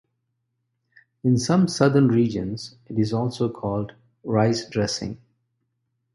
In some southern regions, it is also called rice dressing.